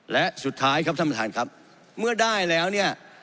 และสุดท้ายครับท่านประธานครับเมื่อได้แล้วเนี่ย